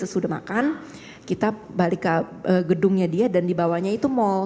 mereka oint kontras dan baki